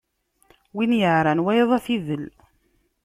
Win yeɛran, wayeḍ ad t-idel.